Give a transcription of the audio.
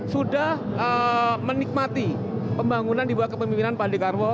sudah menikmati pembangunan di bawah kepemimpinan pak dekarwo